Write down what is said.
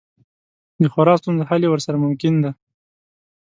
د خورا ستونزو حل یې ورسره ممکن دی.